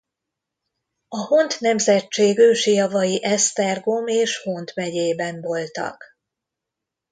A Hont nemzetség ősi javai Esztergom és Hont megyében voltak.